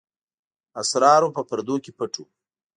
اسرارو په پردو کې پټ وو.